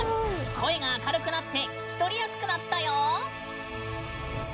声が明るくなって聞き取りやすくなったよー！